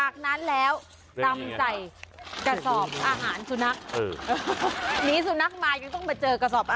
ขึ้นให้ดู๓เมตรจริง